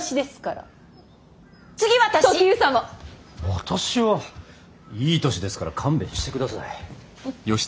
私はいい年ですから勘弁してください。